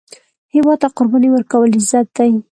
هیواد ته قرباني ورکول، عزت دی